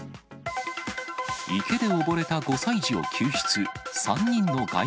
池で溺れた５歳児を救出。